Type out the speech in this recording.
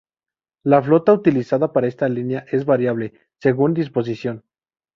La flota utilizada para esta línea es variable, según disposición.